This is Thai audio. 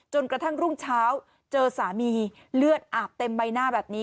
กระทั่งรุ่งเช้าเจอสามีเลือดอาบเต็มใบหน้าแบบนี้